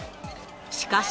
しかし。